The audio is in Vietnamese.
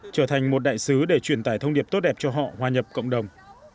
trở thành một đại sứ để truyền tải thông điệp tốt đẹp cho họ hòa nhập cộng đồng